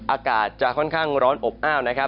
อากาศจะค่อนข้างร้อนอบอ้าวนะครับ